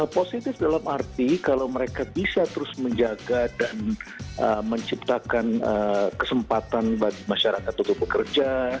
positif dalam arti kalau mereka bisa terus menjaga dan menciptakan kesempatan bagi masyarakat untuk bekerja